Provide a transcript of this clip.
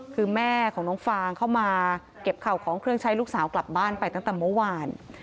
คือแม่ของน้องฟางเข้ามาเก็บข่าวของเครื่องใช้ลูกสาวกลับบ้านไปตั้งแต่เมื่อวาน